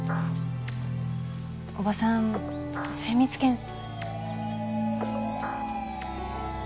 おばさん精密検。